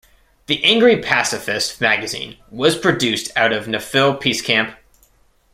"The Angry Pacifist" magazine was produced out of Naphill Peace camp.